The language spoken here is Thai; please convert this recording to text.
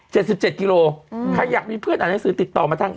สิบเจ็ดกิโลอืมใครอยากมีเพื่อนอ่านหนังสือติดต่อมาทาง